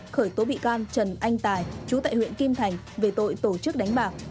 khởi tố bị can trần anh tài chú tại huyện kim thành về tội tổ chức đánh bạc